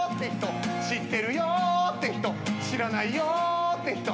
「知ってるよって人知らないよって人」